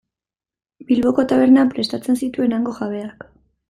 Bilboko tabernan prestatzen zituen hango jabeak.